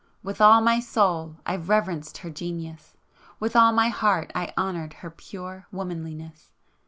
With all my soul I reverenced her genius,—with all my heart I honoured her pure womanliness!